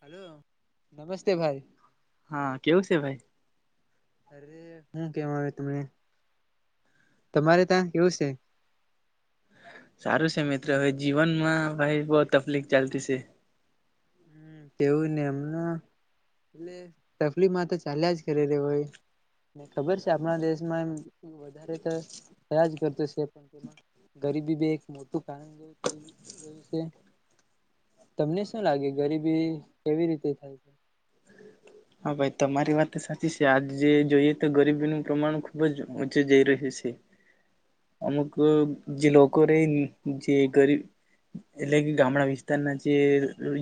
Hello નમસ્તે ભાઈ. હા કેવું છે ભાઈ અરે હું કેવા આવે તમને, તમારે ત્યાં કેવું છે? સારું છે મિત્ર હવે જીવનમાં ભાઈ બહ તકલીફ ચાલતી છે. હમ કેવું ને એમ એટલે તકલીફમાં તો ચાલ્યા જ કરે રે હોય. ખબર છે આપણા દેશમાં એમ વધારે તો થયા જ. પણમાં ગરીબી બી એક મોટું કારણ જે ર [unintelligible] તમને શું લાગે? ગરીબી કેવી રીતે થાય છે? હા ભાઈ તમારી વાત સાચી છે. આજ જે જોઈએ તો ગરીબીનું પ્રમાણ ખુબ જ ઊંચે જઈ રહ્યું છે. અમુક જે લોકો રેન જે ગરીબ એટલે કે ગામડા વિસ્તારના જે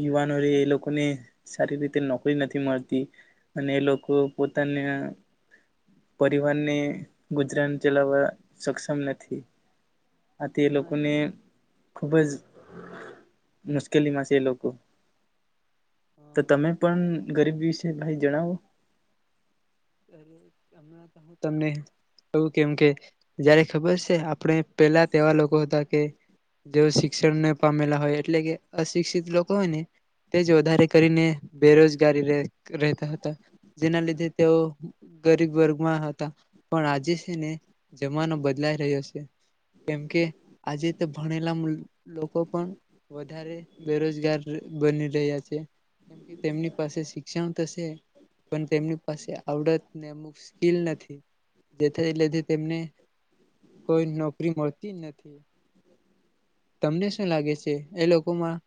યુવાનો રયે એ લોકોને સારી રીતે નોકરી નથી મળતી. અને એ લોકો પોતાના પરિવારને ગુજરાન ચલાવવા સક્ષમ નથી. આથી એ હા લોકોને ખુબ જ મુશ્કેલીમાં છે એ લોકો. તો હ તમે પણ ગરીબી વિશ એ ભાઈ જણાવો. હમણાં હું તમને કેઉં કેમ કે જયારે ખબર છે આપણે પહેલા તેવા લોકો હતા કે જેઓ શિક્ષણ ન પામેલા હોય, એટલે કે અશિક્ષિત લોકો હોય ને તે જ વધારે કરીને બેરોજગારી રહ રહેતા હતા, જેના લીધે તેઓ ગરીબ વર્ગમાં હતા, પણ આજે છે ને જમાનો બદલાઈ રહ્યો છે, કેમકે આજે તો ભણેલા મુલ લોકો પણ વધારે બેરોજગાર બની રહ્યા છે, કેમ કે તેમની પાસે શિક્ષણ તો છે, પણ તેમની પાસે આવડત ને અમુક સ્કીલ નથી, જે [unintelligible] તેમને કોઈ નોકરી મળ તી નથી. તમને શું લાગે છે? એ લોકોમાં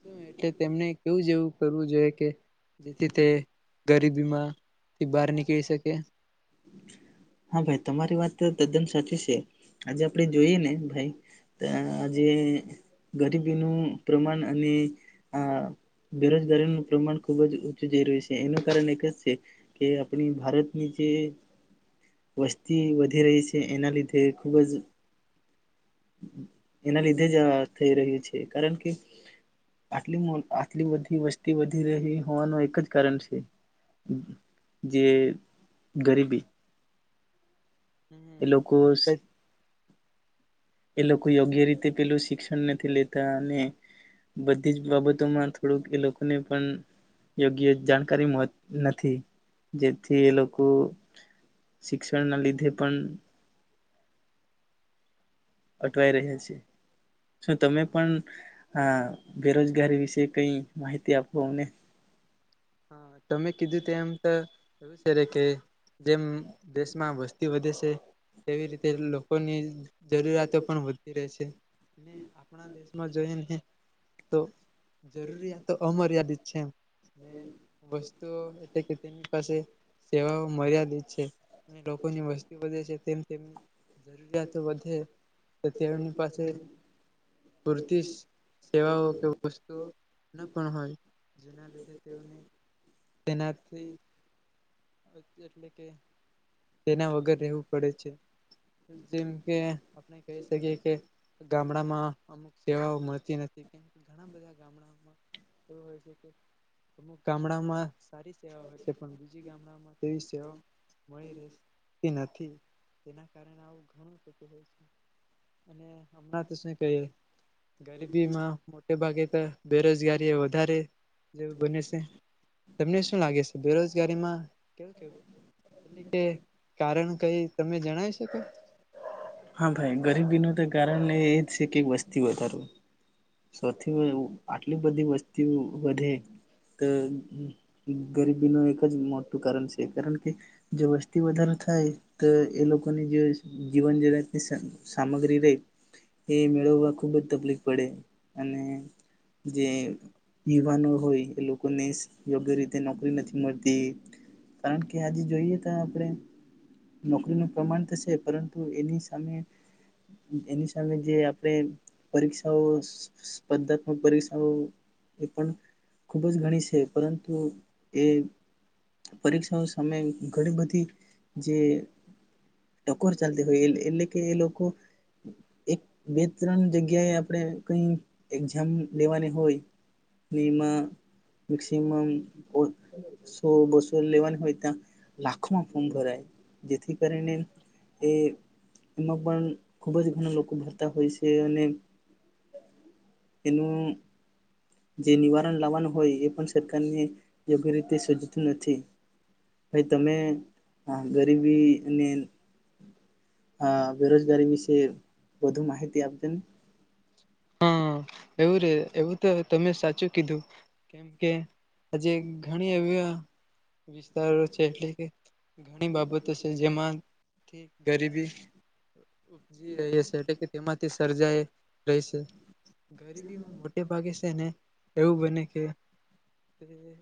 શું એટલે તેમને કેવું જેવું કરવું જોઈએ કે જેથી તે ગરીબીમાંથી બહાર નીકળી શકે? હા ભાઈ તમારી વાત તદ્દન સાચી છે. આજે આપણે જોઈએ ને ભાઈ તો આજે ગરીબીનું પ્રમાણ અને આ બેરોજગારીનું પ્રમાણ ખૂબ જ ઊંચું જઈ રહ્યું છે, એનું કારણ એક જ છે કે આપણી ભારતની જે વસ્તી વધી રહી છે, એના લીધે ખૂબ જ એના લીધે જ આ થઈ રહ્યું છે, કારણ કે આટલી મો આટલી બધી વસ્તી વધી રહી હોવાનું એક જ કારણ છે, જે ગરીબી. એ લોકો સ એ લોકો યોગ્ય રીતે પેલું શિક્ષણ નથી લેતા, અને બધી જ બાબતોમાં થોડુંક એ લોકોને પણ યોગ્ય જાણકારી મળ નથી, જેથી એ લોકો શિક્ષણ ના લીધે પણ અટવાઈ રહ્યા છે. શું તમે પણ આ બેરોજગારી વિશે કઈ માહિતી આપો અમને. હા તો મે કીધું તેમ તો એવું છે રે કે જેમ દેશમાં વસ્તી વધે છે તેવી રીત તે લોકોની જરૂિયાતો પણ વધતી રહે છે. ને આપણા દેશમાં જોઈએ ને તો જરૂરિયાત તો અમર્યાદિત છે એમ વસ્તુઓ એટલે કે તેમની પાસે સેવાઓ મર્યાદિત છે અને લોકોની વસ્તુ વધે છે તેમ તેમની જરૂરિયાતો વધે તો તેઓની પાસે પૂરતી સેવાઓ કે વસ્તુઓ ન પણ હોય જેના લીધે તેઓને તેનાથી એટલે કે [inaudible] તેના વગર રહેવું પડે છે જેમ કે આપણે કહી શકીએ કે ગામડામાં અમુક સેવાઓ મળતી નથી કે ઘણા બધા ગામડાઓમાં એવું હોય છે કે અમુક ગામડામાં સારી સેવા હોય છે પણ બીજી ગામડામાં તેવી સેવા મળી રહેતી નથી તેના કાર આવું ઘણુંું હોય છે અને હમણા કહી ગરીબીમાં મોટે ભાગે તો બેરોજગારી એ વધારે જેવું બને છે. તમને શું લાગે છે બેરોજગારીમાં કેવું કેવું એટ કે કારણ કઈ તમે જણાવ શકો. હા ભાઈ ગરીબી ન તો કારણ એ છે કેક વસ્તી વધારું સૌથી આટલી બધી વસ્તી વધે તો ગરીબીનું એક જ મોટું કારણ છે કારણ કે જો વસ્તી વધારો થાય તો એ લોકોની જે જીવન જગતની સામગ્રી રે એ મેળવવા ખૂબ જ તકલીફ પડે અને જે યુવાનો હોય એ લોકોને યોગ્ય રીતે નોકરી નથી મળતી કારણ કે આજે જોઈએ તો આપણે નોકરીનું પ્રમાણ તો છે પરંતુ એની સામે એની સામે જે આપણે પરીક્ષાઓ સ્પર્ધા પરીક્ષાઓ એ પણ ખુબ જ ઘણી છે પરંતુ એ પરીક્ષાઓ સામે ઘણી બધી જે ટકોર ચાલતી હોય એટલે કે એ લોકો એક બે ત્રણ જગ્યાએ આપણે કઈ એક્ઝામ લેવાની હોય એમાં મેક્સિમમ સો બસો લેવાની હોય ત્યાં લાખોમાં ફોર્મ ભરાય જેથી કરીને એ એમાં પણ ખૂબ જ ઘણા લોકો ભરતા હોય છે અને એનું જે નિવારણ લાવવાનું હોય એ પણ સરકારને યોગ્ય રીતે સજ્જતું નથી ભાઈ તમે ગરીબી અને આ બેરોજગારી વિશે વધુ માહિતી આપજો ને હા એવું રે એવું તો તમે સાચું કીધું કેમ કે હજી ઘણી એવી વિસ્તાર છે એટલી કે ઘણી બાબતો છે જેમાં ઠી ગરીબી ઉપજી ર છે એટલે કે તેમાંથી સર્જાય પશે ગરીબીમાં મોટે ભાગે છે ને એવું બને કે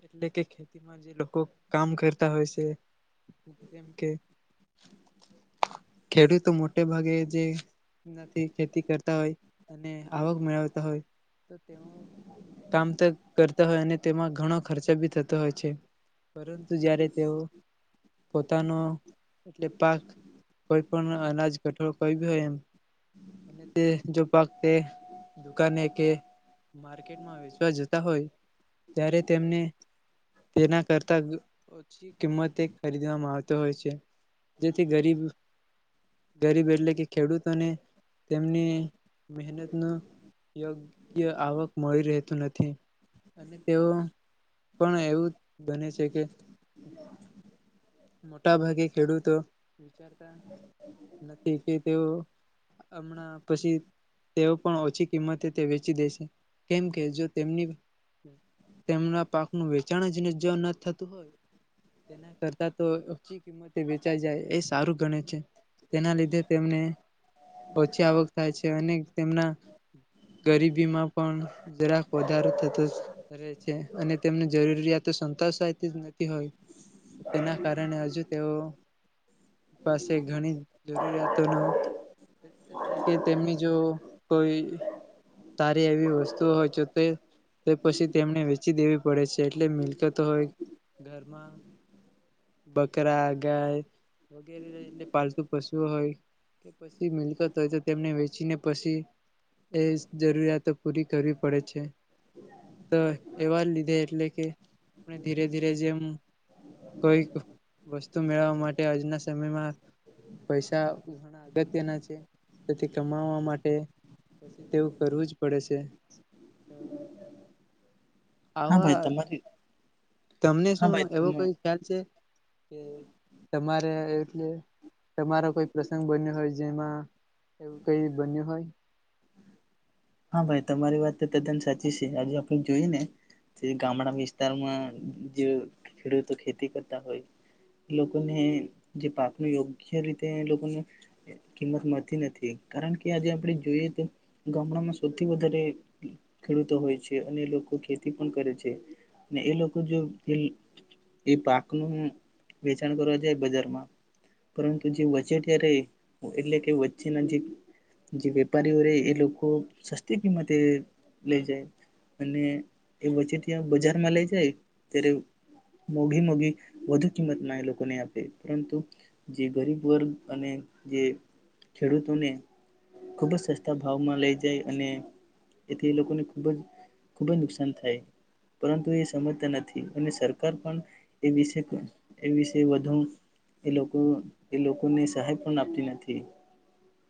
એટલે કે ખેતીમાં જે લોકો કામ કરતા હોય છે જેમ કે ખેડૂતો મોટે ભાગે જે નથીથી ખેતી કરતા હોય અને આવક મેળવતા હોય તો તેઓ કામ કરતા હોય અને તેમાં ઘણો ખર્ચા ભી થતો હોય છે. પરંતુ જય્યારે તેઓ પોતાનો એટલે પાક કોઈ પણ અનાજ ઘટ કોઈ ભી હોય એમ એતે જ દુકાને કે માર્કેટમાં વેચવા જતા હોય ત્યારે તેમને તેના કરતા ઓછી કિંમતે ખરીદવામાં આવતો હોય છે જેથી ગરીબ ગરીબ એટલે કે ખેડૂતોને તેમની મહેનત નું યોગ્ય આવક મળી રહેતું નથી અને તેઓ પણ એવું બને છે કે હમ. મોટા ભાગે ખેડૂતો નથી કે તેવું હમણાં પછી તેઓ પણ ઓછી કિંમતે તે વેચી દેશે, કેમકે જો તેમની તેમના પાકનું વેચાણ જ જો ન થતું હોય તેના કરતા તો ઓછી કિંમતે વેચાઈ જાય એ સારું ગણે છે, તેના લીધે તેમને ઓછી આવક થાય છે અને તેમના ગરીબીમાં પણ જરાક વધારો થતો રહે છે, અને તેમને જરૂરિયાતો સંતોષાયતી જ નથી હોય. તેના કારણે હજુ તેઓ પાસે ઘણી જરૂરિયાતો ન એટલે કે તેમની જો કોઈ સારી એવી વસ્તુ હોય તો તે પછી તેમને વેચી દેવી પડે છે એટલે મિલકત હોય, ઘરમાં. બકરા ગાય વગેરે એ પાલતુ પશુ હોય, કે પછી મિલકત હોય તો તેમને વેચીને પછી, એ જરૂરિયાતો પૂરી કરવી પડે છે, તો એવા લીધે એટલે કે ધીરે ધીરે જેમ કોઈક વસ્તુ મેળવવા માટે આજના સમયમાં પૈસા ઘણા અગત્યના છે, તેથી કમાવા માટે પછી તેવું કરવું જ પડે છે. હા ભાઈ આવા તમારી તમને હા શું ભાઈ એવો તમે કોઈ કે તમારે એલે તમારો કોઈ પ્રસંગ બન્યો હોય જેમાં એવું કઈ બન્યું હોય? હા ભાઈ તમારી વાત તદ્દન સાચી છે આજે આપણે જોઈએ ને, જે ગામડા વિસ્તારમાં જે ખેડૂતો ખેતી કરતા હોય, એ લોકોને જે પાકનું યોગ્ય રીતે એ લોકોને કિંમત મળતી નથી, કારણ કે આજે આપણે જોઈએ તો ગામડામાં સૌથી વધારે ખેડૂતો હોય છે અને એ લોકો ખેતી પણ કરે છે, એ લોકો જો એ પાકનું વેચાણ કરવા જાય બજારમાં, પરંતુ જે વચેટયા રહે એટલે કે વચ્ચેના જે જે વેપારીઓ રહે એ લોકો. સસ્તી કિંમતે લઈ જાય, અને એ વચ્ચે ત્યાં બજારમાં લઈ જાય ત્યારે મોઘી મોઘી વધુ કિંમતમાં એ લોકોને આપે પરંતુ, જે ગરીબ વર્ગ અને જે ખેડૂતોને ખુબ જ સસ્તા ભાવમાં લઈ જાય અને એથી એ લોકોને ખૂબ જ ખૂબ જ નુકસાન થાય, પરંતુ એ સમજતા નથી અને સરકાર પણ એ વિશે એ વિશે વધુ એ લોકો એ લોકોને સહાય પણ આપતી નથી.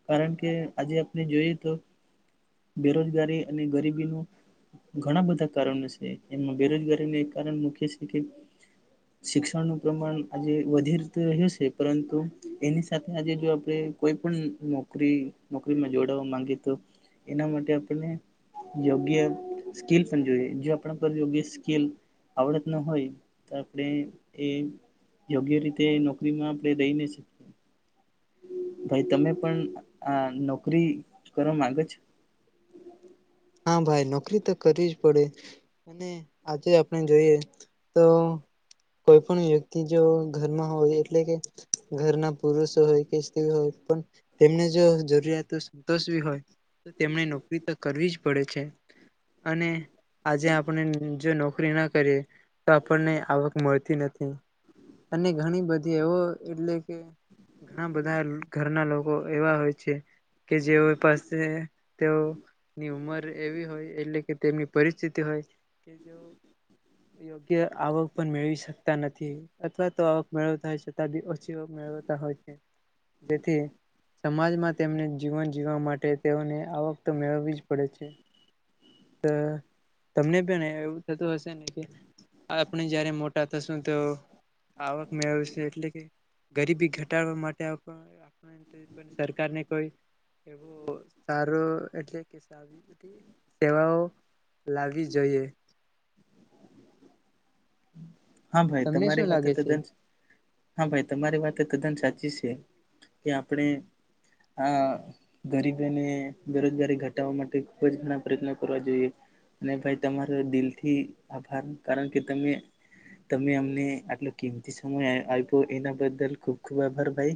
કારણ કે આજે આપણે જોઈએ તો, બેરોજગારી અને ગરીબીનું ઘણા બધા કારણો છે, એમાં બેરોજગારીનું એક કારણ મુખ્ય છે કે, શિક્ષણનું પ્રમાણ આજે વધીત રહ્યું છે પરંતુ, એની સાથે આજે જો આપણે કોઈ પણ નોકરી નોકરીમાં જોડાવા માંગે તો એના માટે આપણને યોગ્ય સ્કીલસ જોએ જો આપ પર યોગ્ય સ્કીલ આવડત ન હોય તો આપણે એ યોગ્ય રીતે નોકરીમાં આપણે રહી ન શકીએ. ભાઈ તમે પણ આ નોકરી કરવા માગો છો? હા ભાઈ નોકરી તો કરવી જ પડે, અને આજે આપણે જોઈએ તો. કોઈ પણ વ્યક્તિ જો ઘરમાં હોય એટલે કે ઘરના પુરુષ હોય કે સ્ત્રી હોય પણ તેમને જો જરૂરિયાતો સંતોષવી હોય તેમણે નોકરી તો કરવીજ પડે છે અને આજે આપને જો નોકરી ના કરીએ તો આપણને આવક મળતી નથી અને ઘણી બધી એવો એટલે કે ઘણા બધા ઘરના લોકો એવા હોય છે કે જેઓ પાસે તેઓ ની ઉંમર એવી હોય એટલે કે તેમની પરિસ્થિતિ હોય કે જેઓ યોગ્ય આવક પણ મેળવી શકતા નથી અથવા તો આવક મેળવતા હોય છતાં બી ઓછી આવક મેળવતા હોય છે જેથી સમાજમાં તેમને જીવન જીવવા માટે તેઓને આવક તો મેળવીજ પડે છે તો તમને પણ એવું થતું હશે ને કે આપણે જયારે મોટા થસ ત આવક મેળવે છે એટલે કે ગરીબી ઘટાડવા માટે આપ સરકાર ને કોઈ એવું સારું એટલે સેવાઓ લાગી જોઈએ હા ભાઈ તમને તમારી શું વાત લાગે તો છે હા ભાઈ તમારી વાત કદમ સાચી છે કે આપણે આ ગરીબોને બેરોજગારી ઘટાવા માટે ખુબ જ ઘણા પ્રયત્નો કરવા જોઈએ અને ભાઈ તમારો દિલથી આભાર કારણ કે તમે તમે અમને આટલો કિમતી સમય આપ્યો એના બદલ ખુબ ખૂબ આભાર ભાઈ